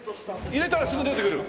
入れたらすぐ出てくる？